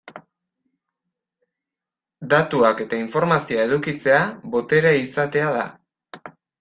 Datuak eta informazioa edukitzea, boterea izatea da.